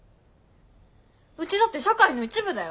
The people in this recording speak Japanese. うちだって社会の一部だよ。